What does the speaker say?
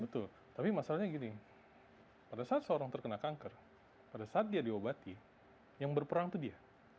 betul tapi masalahnya gini pada saat seorang terkena kanker pada saat dia diobati yang berperang itu dia